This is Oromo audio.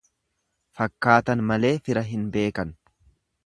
Rakkatan malee fira hin beekan.